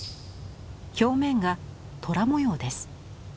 表面が虎模様です。